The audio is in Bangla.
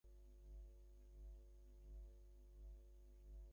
তাদের মহামান্য রাজকীয়, রাজা হুবার্ট এবং রাজকুমার ফিলিপ।